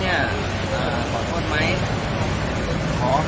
พี่มีอะไรจะพูดกับเหตุการณ์ที่เกิดขึ้นไหมครับ